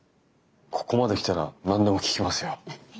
ここまで来たら何でも聞きますよ。